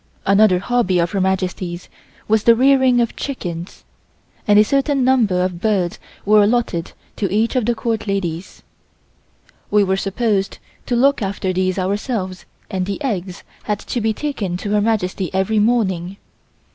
Another hobby of Her Majesty's was the rearing of chickens, and a certain number of birds were allotted to each of the Court ladies. We were supposed to look after these ourselves and the eggs had to be taken to Her Majesty every morning.